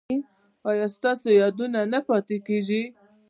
ایا ستاسو یادونه نه پاتې کیږي؟